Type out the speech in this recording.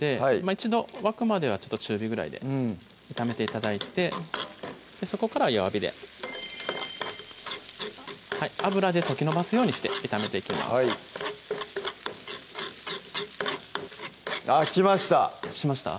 一度沸くまでは中火ぐらいで炒めて頂いてそこから弱火で油で溶きのばすようにして炒めていきます来ましたしました？